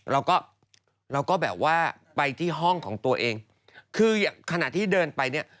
เราก็เราก็แบบว่าไปที่ห้องของตัวเองคือขณะที่เดินไปเนี่ย